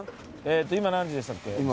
今何時でしたっけ？